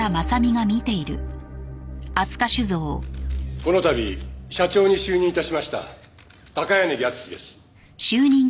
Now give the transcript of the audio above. この度社長に就任致しました高柳敦です。